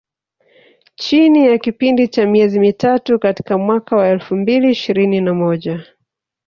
Chini ya kipindi cha miezi mitatu katika mwaka wa elfu mbili ishirini na moja